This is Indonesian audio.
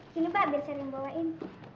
biar pak bersan yang bawain